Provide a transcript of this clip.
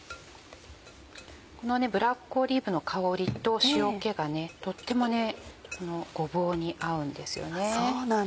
このブラックオリーブの香りと塩気がとってもごぼうに合うんですよね。